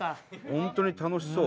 本当に楽しそう。